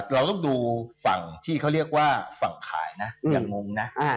เราต้องดูฝั่งที่เขาเรียกว่าฝั่งขายนะอย่างงงนะ